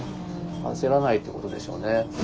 あせらないっていうことでしょうね。